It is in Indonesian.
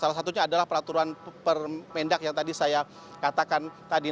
salah satunya adalah peraturan permendak yang tadi saya katakan tadi